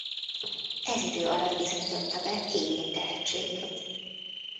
Ez idő alatt bizonyította be kémiai tehetségét.